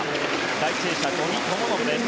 第１泳者、五味智信です。